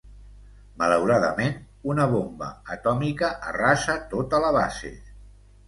Malauradament, una bomba atòmica arrasa tota la base.